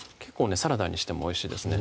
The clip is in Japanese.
サラダにしてもおいしいですね